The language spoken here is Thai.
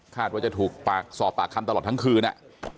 ว่าจะถูกสอบปากคำตลอดทั้งคืนอ่ะ